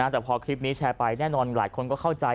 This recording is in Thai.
แต่พอคลิปนี้แชร์ไปแน่นอนหลายคนก็เข้าใจ